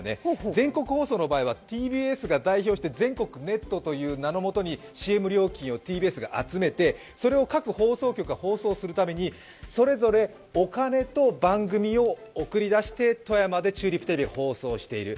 全国放送の場合はＴＢＳが代表して全国ネットという名のもとにＣＭ料金をＴＢＳが集めてそれを各放送局が放送するために、お金を集めて、富山でチューリップテレビが放送している。